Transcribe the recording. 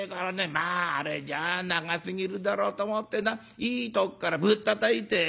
まああれじゃあ長すぎるだろうと思ってないいとこからぶったたいてほらほら